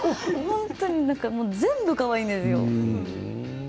全部がかわいいんですよ。